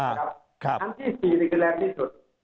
อันที่๔นี่คือแรงที่สุด